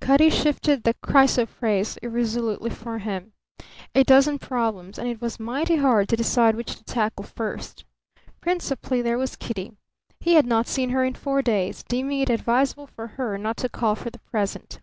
Cutty shifted the chrysoprase, irresolutely for him. A dozen problems, and it was mighty hard to decide which to tackle first. Principally there was Kitty. He had not seen her in four days, deeming it advisable for her not to call for the present.